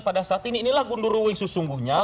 pada saat ini inilah gundur uing sesungguhnya